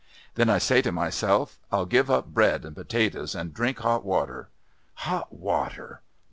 Then I say to myself, 'I'll give up bread and potatoes and drink hot water.' Hot water!